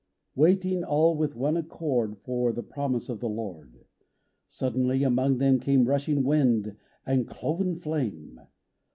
WAITING all with one accord For the promise of the Lord, Suddenly among them came Rushing wind and cloven flame.